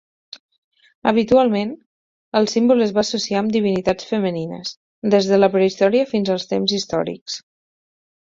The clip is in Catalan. Habitualment, el símbol es va associar amb divinitats femenines, des de la prehistòria fins als temps històrics.